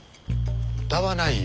歌わないよ。